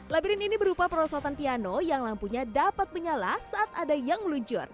labirin ini berupa perosotan piano yang lampunya dapat menyala saat ada yang meluncur